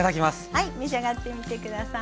はい召し上がってみて下さい。